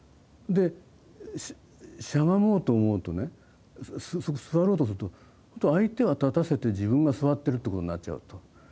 でしゃがもうと思うとね座ろうとすると相手は立たせて自分が座ってるってことになっちゃうと。